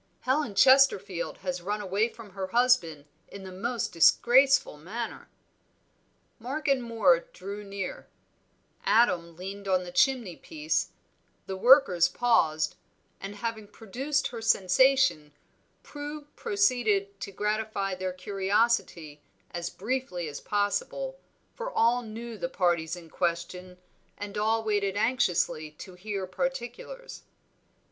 "Helen Chesterfield has run away from her husband in the most disgraceful manner." Mark and Moor drew near, Adam leaned on the chimney piece, the workers paused, and having produced her sensation, Prue proceeded to gratify their curiosity as briefly as possible, for all knew the parties in question and all waited anxiously to hear particulars.